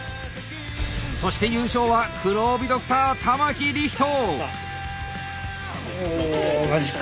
そして優勝は黒帯ドクター玉木理仁！